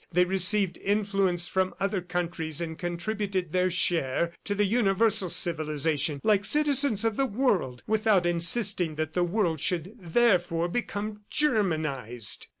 They received influence from other countries and contributed their share to the universal civilization like citizens of the world, without insisting that the world should, therefore, become Germanized."